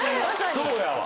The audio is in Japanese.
そうやわ。